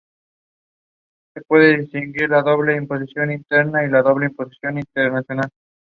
Dispone de dos iglesias católicas.